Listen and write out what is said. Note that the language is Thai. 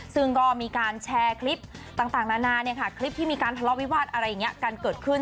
ซึ่งก็มีการแชร์คลิปต่างนานาคลิปที่มีการทะเลาะวิวาสอะไรอย่างนี้กันเกิดขึ้น